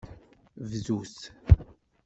Bdut!